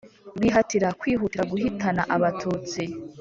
Bihatira kwihutira guhitana abatutsi